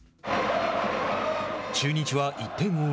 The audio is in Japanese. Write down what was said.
中日は１点を追う